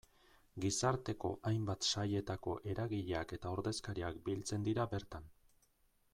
Gizarteko hainbat sailetako eragileak eta ordezkariak biltzen dira bertan.